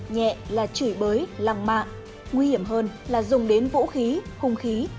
nhẹ là chửi bới lăng mạ nguy hiểm hơn là dùng đến vũ khí hung khí